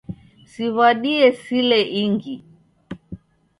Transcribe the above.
Siwadie sile ingi